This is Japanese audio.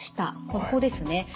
ここですね。